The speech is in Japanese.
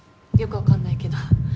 よくわかんないけど。